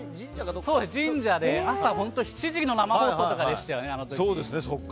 朝７時の生放送とかでしたね。